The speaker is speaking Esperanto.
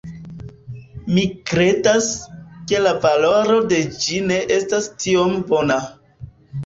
Mi kredas, ke la valoro de ĝi ne estas tiom bona